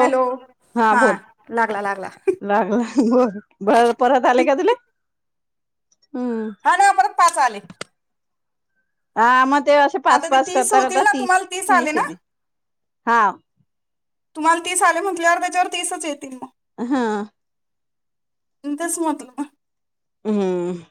हो हॅलो हा लागला लागला. बरं परत आले का तुले हमम. आणि आपण पाच आले. हा मग ते असे पाच आता ते पाच तीस करता करता होतील ना तीस तुम्हाला आले तीस ना येत हा. तुम्हाला तीस आले म्हटल्यावर त्याच्यावर तीसच येतील मग हा तेचं मतलं हम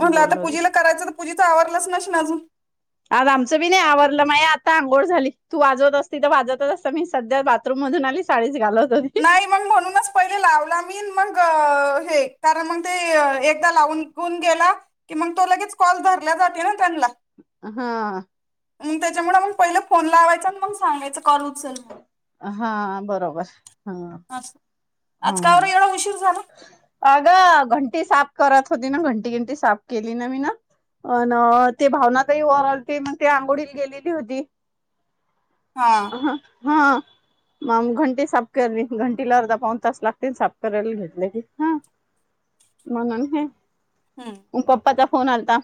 म्हणलं आता पूजेला करायचं तर पूजेचं आवरलंचश ना अजून आज आमचं बी नाही आवरलं माय आता आंघोळ झाली तू वाजवत असती तर वाजतच असता मी सध्या रूम मधुन आली साडीच घालत होती नाही मग म्हणूनच पहिले लावला मी मग हे कारण मग ते एकदा लागवून गेला कि मग तो लगेच कॉल धरला जाते ना त्यांना हा मग त्याच्यामुळे मग पहिलं फोन लावायचं आणि मग सांगायच कॉल उचल मग हा बरोबर हा असं ह आज का बरं एवढा उशीर झाला? अगं घंटी साफ करत होती ना घंटी घंटी साफ केली ना मी ना अ ते भावना ताई वर आलती मग ते आंघोळीला गेलेली होती. हा ह हा मग घंटी साफ करली घंटीला अर्धा पाऊन तास लागते साफ करायला घेत हा म्हणून हे हम्म मग पप्पाचा फोन आलाता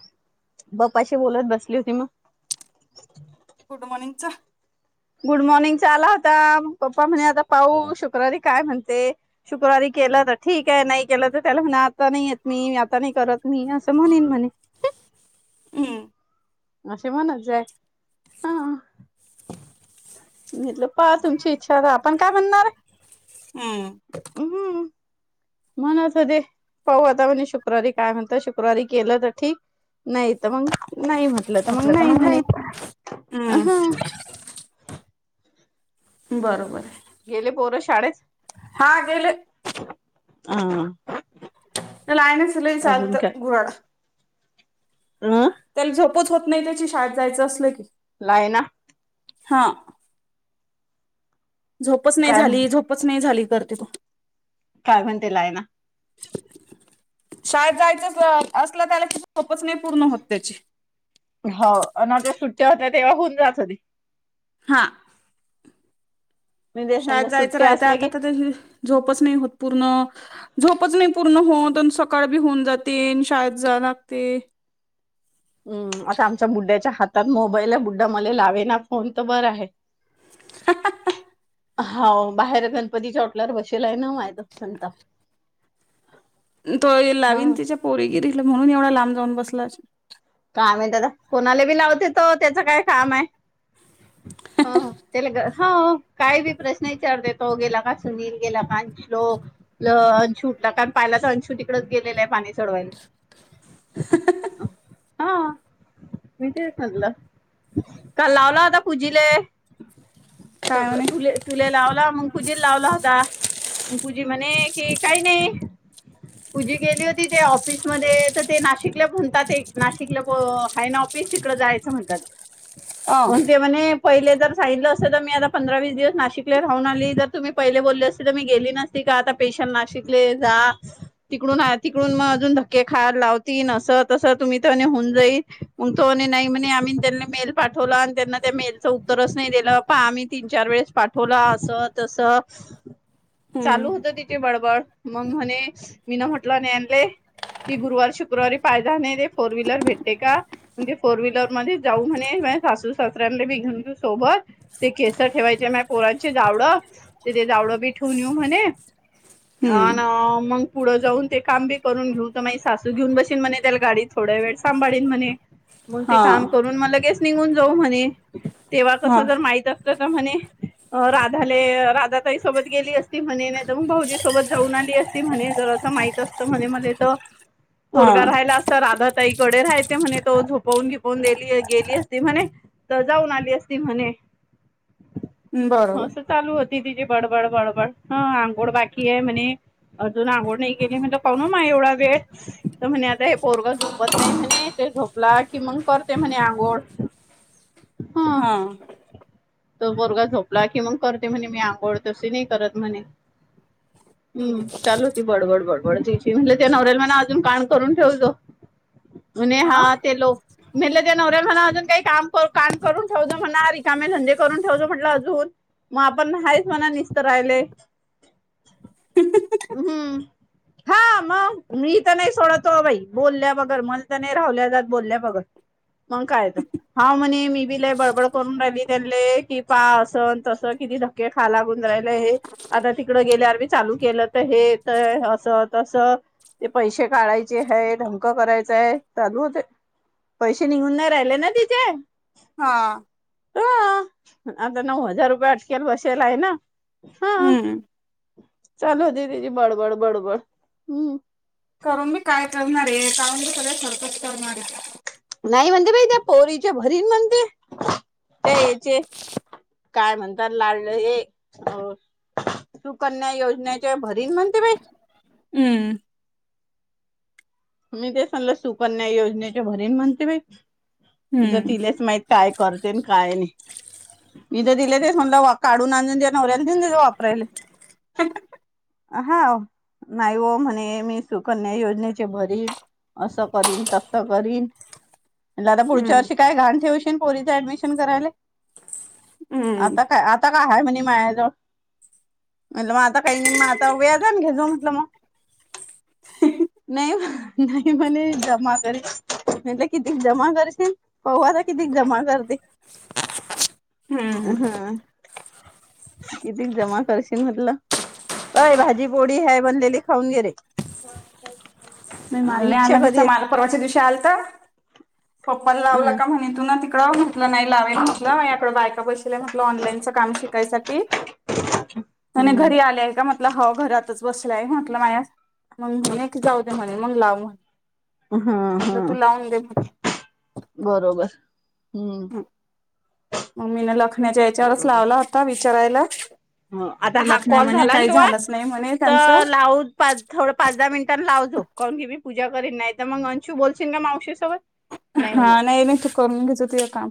पप्पाशी बोलत बसली होती मग good morning sir good morning चा आला होता पप्पा म्हणे आता पाहू शुक्रवारी काय म्हणते शुक्रवारी केलं तर ठीक आहे नाही केलं तर त्याला म्हणा आता नाही येत मी आता नाही करत मी असं म्हणेन म्हणे हम्म असे म्हणत जाय हा म्हटलं पहा तुमची इच्छाता आपण काय म्हणणार आहे हम्म हम्म म्हण असं दे पाहू आता म्हणजे शुक्रवारी काय म्हणत शुक्रवारी केलं तर ठीक नाही तर मग नाही म्हटलं तर मग नाही म्हणे अ ह हम्म बरोबर आहे. गेले पोर शाळेत हा गेले हा नला आयन सल अजून चालत गुराड हम त्याला झोपच होत नाही त्याची शाळेत जायचं असलं की लायना हा झोपच नाही काय झाली झोपच नाही झाली करते तू काय म्हणतेलाय ना शाळेत जायचंच असलं त्याला कि खोपच नाही पूर्ण होत त्याची हो आणिता सुट्ट्या होत्या तेव्हा होऊन जाात हो ते हा मी तेच शाळेत म्हणलं जायचं सुट्ट्या राहतं असल्या आता की आ झोपच नाही होत पूर्ण झोपच नाही पूर्ण होऊन दन सकाळ बी होऊन जाते शाळेत जा लागते हम् आता आमच्या बुद्ढ्याच्या हातात मोबाईल आहे बुद्ढा मला लावे ना फोन तर बरं आहे [inaudible] होा बाहेर गणपतीच्या टल्यावर बसेल आहे ना माझदाप संत तो हा लावीन तिच्या पोरीगिरीला म्हणून एवढा लांब जाऊन बसला काम आहे त्याता कोणाला बी लावते तो त्याचं काय काम आहे हा त्याला ग होा काय बी प्रश्न विचारते तो गेला का सुनील गेला का श्लोक अंशूला कारण पाहिला तर अंशूट इकडच गेलेलं आहे पाणी चढवायला हा मी तेच म्हणलं काल लावला होता पूजीले त काय म्हणे तुले तुला लावला मग पुजीला लावला होता, मग पुजी म्हणे कि काही नाही पूजी गेली होती ते ऑफिसमध्ये तर ते नाशिकला म्हणतात एक नाशिकला हायन ऑफिस तिकड जायचं म्हणतात अ म्हण ते म्हणे पहिले जर सांगितलं असते तर मी आता पंधरा वीस दिवस नाशिकला राहून आली जर तुम्ही पहिले बोलले असते तर मी गेली नसते तिक आता पेशंट नाशिकले जा तिकडून आहे तिकडून मग अजून धक्के खायाला लावती अस तस तुम्ही तर म्हणे होऊन जाईल, उ नाही म्ह आम्ही त्यां मेल पाठवला आणि त्यां उत्तरच नाही दिलं, पहा आम्ही तीन चार वेळेस पाठवला अस तस हम्म चालू होत तिची बडबड, मग म्हणे मी न म्हटलं न्यानले की गुरुवारी शुक्रवारी पायध नाही दे फोर व्हीलर भेटते का? म्हणजे फोर व्हीलर मध्ये जाऊ म्हणे सासू सासऱ्यांना बी घेऊन जाऊ सोबत ते केसर ठेवायचे माय पोरांची जावडं ते ते जावडं बी ठेवून येऊ म्हणे हम्म अना मग पुढं जाऊन ते काम बी करून घेऊ तर माही सासू घेऊन बशील म्हणे त्याला गाडीत. थोड्या वेळ सांबाळीन म्हणे, मग ते हा काम करून म लगेच निघून जाऊ म्हणे तेव्हा कस हा जर माहित असत तर म्हणे राधाले राधा ताईसोबत गेली असती, म्हणे नाहीतर मग भाऊजी सोबत जाऊन आली असती ते म्हणे जर असं माहित असतं म्हणे मले तर ह. पोरगा राहिला असता राधा ताईकडे राहयते म्हणे तो झोपवून घिपवून दिली गेली असती म्हणे तर जाऊन आली असती म्हणे [inaudible] हो बरोबर असं चालू होती तिचीे बडबड बडबड ह आंघोळ बाकी आहे म्हणे अजून अंगोळ नाही केली, म्हंटल कामून आये एवढा वेळ? तर म्हणे आता हे पोरग झोपत नाही म्हणे, तो झोपला कि मग करते म्हणे आघोळ. हा. तो बोरगा झोपला कि मग करते म्हणे मी आंघोळ तशी नाही करत म्हणे हम् चालू ती बडबड बडबड तिची म्हटले ते नवऱ्याल मना अजून कांड करून ठेवजो अ हा ते लो म्हटलं ते नवऱ्या म्हणा अजून काही काम काम करून ठेवत म्हणा रिकामे धंदे करून ठेवलो म्हटलं अजून मग आपण आहेच म्हणा निसतारायले [inaudible] हम्म हा मग मी तर नाही सोडतो बाई बोलल्या बगर मण तर नाही राहवल्या जात बोलल्या बगर मग काय तर हा म्हणे मी बीला बडबड करून राहिली त्यांनले कि पहा असं तसं किती खाला गुजरायला हे आता तिकड गेल्यावर मी चालू केलं तर हे तर असं तस ते पैसे काढायचे आहेत. धमका करायचाय चालू होत, पैसे निघून नाही राहिले ना तिचे हां. ह आता नऊ हजार रुपये अटकेल बसेल आहे ना हा हम्म चाल दी तिची बडबड बडबड हम्म. करून मी काय करणार? का मी सगळे सरकच करणार आहे. नाही म्हणते बाई त्या पोरीच्या भरीन म्हणते त्या याचे काय म्हणतात लाडलं हे हो सुकन्या योजनेच्या भरीन म्हणते बाई हम्म. मी ते सांगल सुकन्या योजनेच्या भरीन म्हणते बाई तिचं हम्म तिलाच माहीत. काय करते काय नाही मथ दिले ते म्हलं काढून आणून नवऱ्या दि वापरायले हा नाही हो म्हणे मी सुकन्या योजनेत [inaudible] काय हम्म घणे परी ऍडमिशन कराय आ हम्म काय आता काय आहेय म्ह माया्या ज म्हटलं मग आता काही नाही मग आता व्याजान घेजू म्हटलं मग नाही नाही म्ह जमा कर म्ह किती जमा करसे पौवाता किती जमा करते हम्म किती जमा करशील म्हटलं काय भाजी पोडी ह्याय बनलेली खाऊन गे रे नाही अ माल नाही आला इच्छा तिचा कधी माल परवाच्या दिवशी आल तर पप्पाला लावला ह का म्हणे तू ना त म्हटलं नाही लाव म्हटलंकडं बायका बैल्या म्हटलं ऑनलाईनच काम शिकायसाठी ह घरी आले आहे का म्हटलं ह घरातच बसलाय म्हंटलं माझ मग मी नाही की जाऊ दे म्हणे मग लाव म्हण हा हा म्हटल तू लावून दे म्ह बरोबर हम्म म मी न लखण्याच्या याच्यावरच लावला होता विचारायला हो आता तर हा लखण्या कॉल म्हणे झाला ना काही तु झालंच नाही म्हणे त्यांचं तर लाव थोडं पाच दहा मिनिटां लाव झो काून की मी पूजा करीन नाही तर मग अंशू बोलशील का मावशी सोबत हा नाही नाही त करून घेतच तुझ काम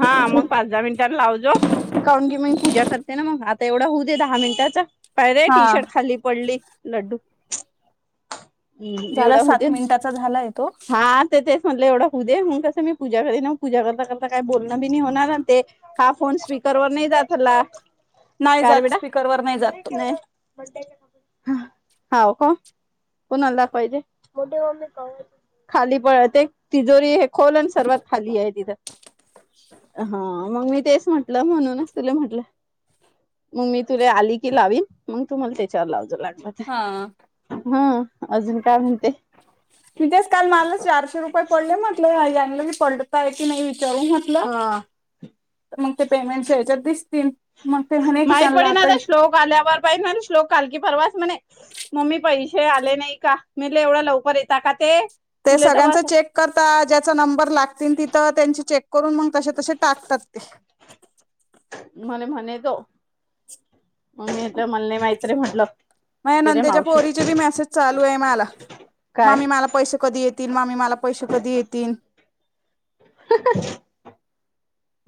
हा मग पाच दहा मिनटां लावजो काून की मी पूजा करते ना मग आता एवढा होऊ दे दहा मिनिटाचा पाहि रे हा टी शर्ट खाली पडली लड्डू हम्म झाला एवढा होत सात मिनिटाचा झालाय तो हा तेच म्हटले एवढा होद दे मग कसं मी पूजा करनग पूजा करता करता काही बोलणं बी नाही होणार ते हा फोन स्पीकर वर नाही जातला नाही का र जात बडा स्पीकरवर नाही जात तो होा का कोणा दख पाहिजेठ मी खाली प ते तिजोरी हे खोल आणि सर्वात खाली आहे तिथं हा मग मी तेच म्हटलं म्हणूनच तुला म्हटलं मग् मी तुला आली की लाववीन मग तुम्हाला त्याच्यावर लावं लागत हा काय म्हणते? तथे का चारशे र पडले म्हटलंलं की पडतय की नाही विचारू हा तर मग ते पेमेंट ह्याच्यात दिसतील मग ते म्ह की माहीत चला पडेना आता श्लोक आल्यावर पाहि श्लोक काल की परवास म्हणे मम्मी पैसे आले नाही का मी एवढं लवकर येता का ते ते तुले तर सगळ्यांचा बस चेक करता ज्याचा नंबर लागतील तिथं त्यांची चेक करून मग त तसे टाकतात ते मणे म्हणे तो मग मण नाही माहीत्री म्हटलं मग ते रे नंद्याच्या मावशी पोरीचे बी मेसेज चालू आहे मला काय म्मी मला पैसे कधी येत तील मा्मी मला पैसे कधी येतील ह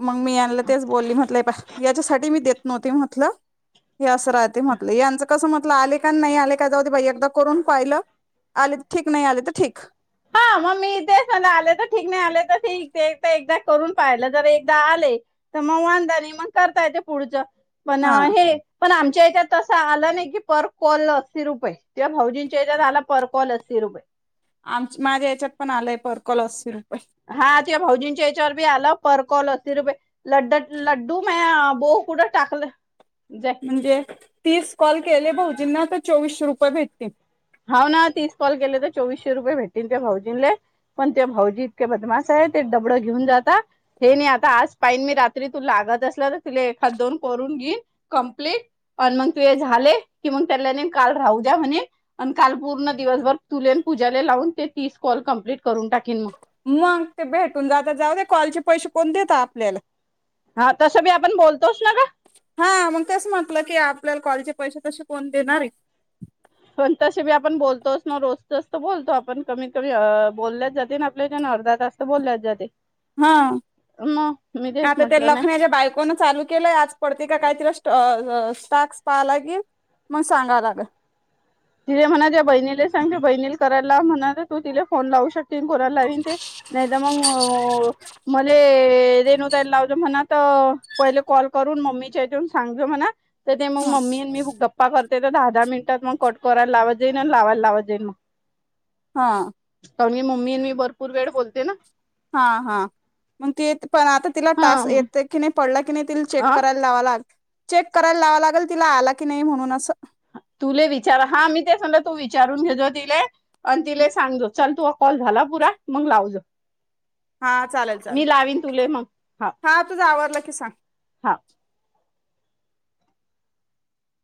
मग मी याला तेच बोलली म्हटलं याच्यासाठी मी देत नव्हती म्हटलं हे असं राहते म्हटलं यांचं कसं म्हटलं आले का नाही आले का जाऊ भाई एकदा करून पाहिलं आले ठीक नाही आले तर ठीक ह मग मी ते आले तर ठीक नाही आले तर एकदा करून पाहिलं तर एकदा आले तर मग वांदाा नाही मग करता येते पुढच पण हा हे पण आमच्या हच्यात तं आला नाही की पर कॉल असशी रुपये तेिव भाऊजींच्या झाला परकॉल असी रुपये आम माझ्या याच्यात पण आलंय परकॉल असशी रुपये हा ते भाऊजींच्या याच्यावर बी आलं परकॉल अस रुपये लड्ड लड्डू म बो कुडं टाकलं ज म्हणजे तीस कॉल केले भाऊजींना तर चोवीसशे रुपये भेटतील हा ना तीस कॉल केले तर चोवीसशे रुपये भेटतीलन ते भाऊजीनले पण ते भाऊजीतके बदमास आहे ते दडबडं घेऊन जात हे नाही आता आज पाईन मी रात्री तु लागत असलं तर तुला एखाद दोन करून घेन कम्प्लीट आणि मग तू हे झाले की मग त्याला न काल राहू द्या म्हणे आणि काल पूर्ण दिवसभर तुलेन पूजाला लावून ते तीस कॉल कम्प्लीट करून टाकेन मग मग ते भेटून जात जाऊ दे कॉलचे पैसे कोण देत आपल्याला हा तसं मी आपण बोलतोस ना का हा मग तस म्हटलं की आपल्याला कॉलचे पैसे तसे कोण देणार आहे पण तसे मी आपण बोलतोच ना रोज जास्त बोलतो आपण कमीत कमी बोलल्याच जाते ना आपल्या अर्धा तास बोलला ज ते हा तेच आता ते म्हटलं नाही लखण्याच्या बायकोन चालू केलंय आ पड का काहीतरी स्टाक् पाहाला लागेल मग सांगाव लाग तिे म्हणा त्या बहिणीला सांगते बहिणीला करायला म्हणा तू तिला फोन लावू शकते कोणा लावन ते नाही त म मले रेणुदईला लावजो म्हणा तर पहिले कॉल करून मम्मीच्या हच्याून सांगजो म्हणा तर ते मग ह मम्मी आणि मी गप्पा करते तर दहा दहा मिनिटात मग कट करायला लावा जाईन आणि लावायला लावा जाईन मग हा कारण मी मम्मी आणि मी भरपूर वेळ बोलते ना हा हा मग ती पण आता तिला हा टास येत की नाही पडला की नाही ति चेक आ करायला लाग चेक करायला लावा लागेल तिला आला की नाही म्हणून अस तुला विचार हा मी ते स म्ह तू विचारून घेतजो तिले आणि तिला सांगतो चल तू कॉल झाला पुरा मग लाव जा हा चालेल चालेल तुले मग हा तुझ आवडलं की सांग हा